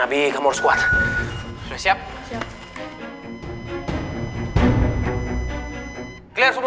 orang itu merasa dalam hasil apa lagi